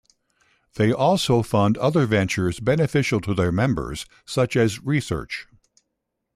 They also fund other ventures beneficial to their members such as research.